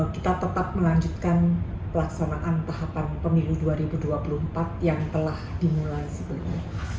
kita tetap melanjutkan pelaksanaan tahapan pemilu dua ribu dua puluh empat yang telah dimulai sebelumnya